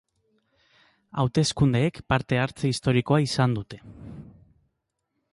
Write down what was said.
Hauteskundeek parte-hartze historikoa izan dute.